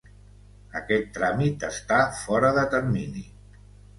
Aquest tràmit està fora de termini.